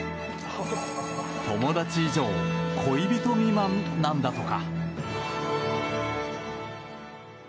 友達以上恋人未満なんだとか。